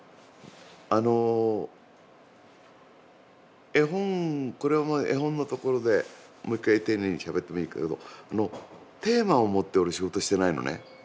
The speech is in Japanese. あの絵本絵本のところでもう一回丁寧にしゃべってもいいけどテーマを持って俺仕事してないのね。